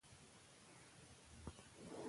افغانان ولي د استعمار لاندي دي